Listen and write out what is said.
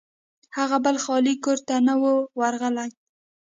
هغه بل خالي کور ته نه و ورغلی.